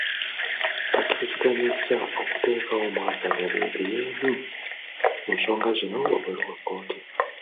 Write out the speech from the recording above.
Bakkiriziganyizza okuteekawo omwagaanya beegeyeemu ku nsonga zino wabweru wa kkooti.